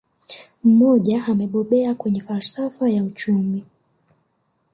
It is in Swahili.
Mmoja amebobea kwenye falsafa ya uchumi